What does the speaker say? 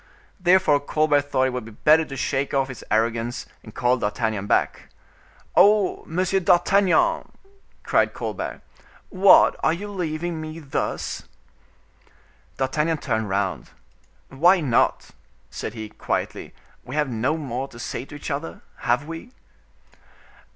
Therefore Colbert thought it would be better to shake off his arrogance and call D'Artagnan back. "Ho! Monsieur d'Artagnan," cried Colbert, "what! are you leaving me thus?" D'Artagnan turned round: "Why not?" said he, quietly, "we have no more to say to each other, have we?"